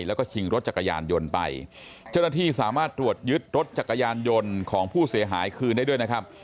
แล้วก็ชิงรถจักรยานยนต์ไปเจ้าหน้าที่สามารถตรวจยึดรถจักรยานยนต์ของผู้เสียหายคืนได้ด้วยนะครับ